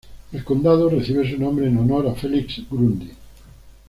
El condado recibe su nombre en honor a Felix Grundy.